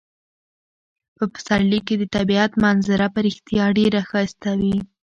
په پسرلي کې د طبیعت منظره په رښتیا ډیره ښایسته وي.